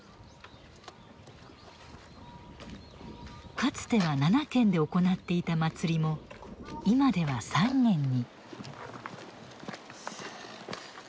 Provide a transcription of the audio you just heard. かつては７軒で行っていた祭りも今では３軒に。